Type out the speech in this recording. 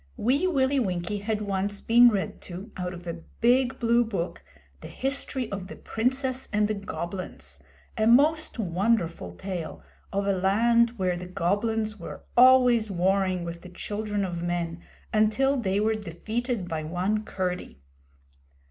Wee Willie Winkie had once been read to, out of a big blue book, the history of the Princess and the Goblins a most wonderful tale of a land where the Goblins were always warring with the children of men until they were defeated by one Curdie.